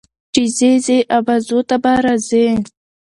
چې ځې ځې ابازو ته به راځې